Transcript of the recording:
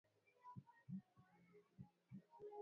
aa habari za jioni ni njema kabisa nurdin